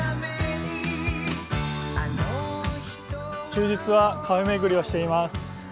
休日はカフェ巡りをしています。